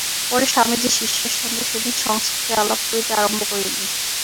পরে স্বামীজী শিষ্যের সঙ্গে সেদিন সংস্কৃতে আলাপ করিতে আরম্ভ করিলেন।